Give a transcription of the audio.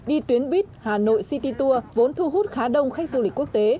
đi tuyến buýt hà nội city tour vốn thu hút khá đông khách du lịch quốc tế